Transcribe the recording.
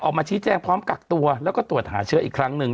ออกมาชี้แจงพร้อมกักตัวแล้วก็ตรวจหาเชื้ออีกครั้งหนึ่ง